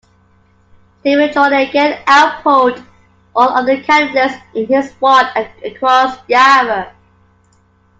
Stephen Jolly again outpolled all other candidates in his ward and across Yarra.